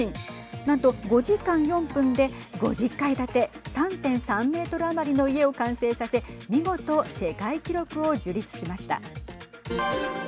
なんと５時間４分で５０階建て３．３メートル余りの家を完成させ見事、世界記録を樹立しました。